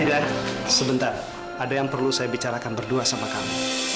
tidak sebentar ada yang perlu saya bicarakan berdua sama kami